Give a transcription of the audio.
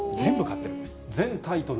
全タイトル